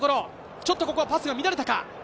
ちょっとパスが乱れたか。